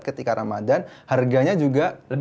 ketika ramadhan harganya juga